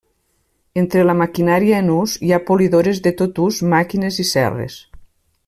Entre la maquinària en ús hi ha polidores de tot ús, màquines i serres.